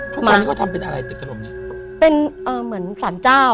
ทุกวันนี้เขาทำเป็นอะไรตึกถล่มเนี้ยเป็นเอ่อเหมือนสารเจ้า